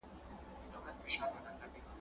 نغمې د زندګۍ مې د ستار پۀ ارمــــان مړې شوې